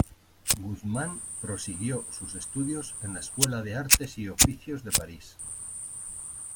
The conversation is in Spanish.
Guzmán prosiguió sus estudios en la Escuela de Artes y Oficios de París.